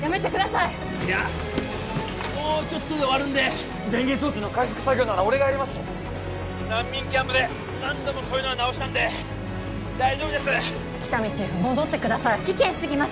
いやもうちょっとで終わるんで電源装置の回復作業なら俺がやります難民キャンプで何度もこういうのは直したんで大丈夫です喜多見チーフ戻ってください危険すぎます